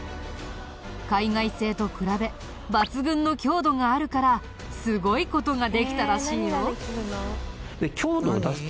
海外製と比べ抜群の強度があるからすごい事ができたらしいよ。